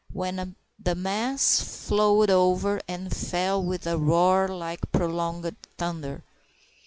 when the mass flowed over and fell with a roar like prolonged thunder.